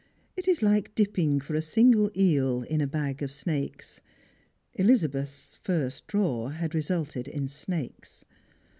It is lik^ dipping for a single eel in a bag of snakes. Elizabeth's first draw had resulted in snakes.